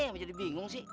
gak mau jadi bingung sih